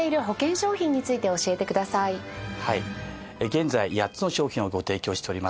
現在８つの商品をご提供しております。